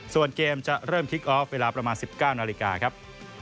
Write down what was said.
ส่วนเกมจะเริ่มคลิกออฟเวลาประมาณ๑๙นาฬิกาครับ